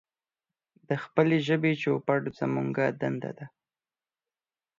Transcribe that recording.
د خپلې ژبې چوپړ زمونږ دنده ده.